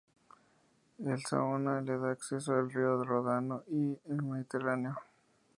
El Saona le da acceso al río Ródano y al Mediterráneo.